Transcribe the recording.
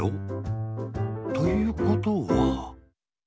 ということは。